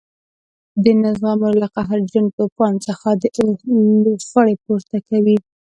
د نه زغملو له قهرجن توپان څخه د اور لوخړې پورته کوي.